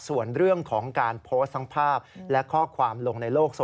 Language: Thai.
ส่วนเรื่องของการโพสต์ทั้งภาพและข้อความลงในโลกโซ